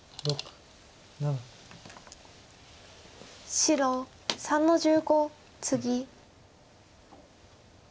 白３の十五ツギ。